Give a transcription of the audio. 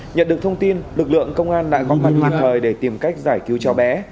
nhận được thông tin lực lượng công an đã góp mặt hoạt hời để tìm cách giải cứu cháu bé